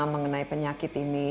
mengenai penyakit ini